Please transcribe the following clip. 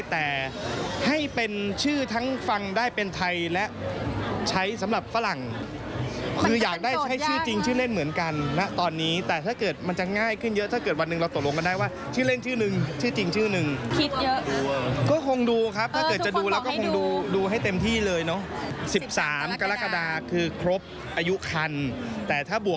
แต่ให้เป็นชื่อทั้งฟังได้เป็นไทยและใช้สำหรับฝรั่งคืออยากได้ใช้ชื่อจริงชื่อเล่นเหมือนกันณตอนนี้แต่ถ้าเกิดมันจะง่ายขึ้นเยอะถ้าเกิดวันหนึ่งเราตกลงกันได้ว่าชื่อเล่นชื่อหนึ่งชื่อจริงชื่อหนึ่งคิดเยอะก็คงดูครับถ้าเกิดจะดูแล้วก็คงดูดูให้เต็มที่เลยเนาะ๑๓กรกฎาคือครบอายุคันแต่ถ้าบ่